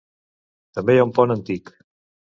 També hi ha un pont antic.